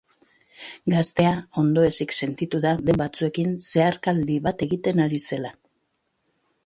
Gaztea ondoezik sentitu da beste lagun batzuekin zeharkaldi bat egiten ari zela.